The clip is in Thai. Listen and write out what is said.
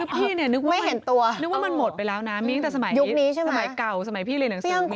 พี่นี่นึกว่ามันหมดไปแล้วนะมีตั้งแต่สมัยเก่าสมัยพี่เรียนอย่างสูงนี้นะ